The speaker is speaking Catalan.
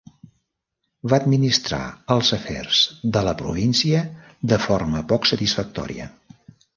Va administrar els afers de la província de forma poc satisfactòria.